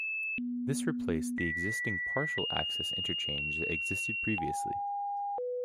This replaced the existing partial access interchange that existed previously.